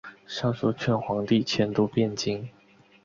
上书劝皇帝迁都汴京。